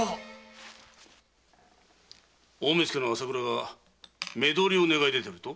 大目付の朝倉が目通りを願い出てると？